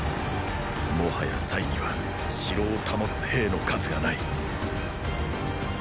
もはやには城を保つ兵の数がない！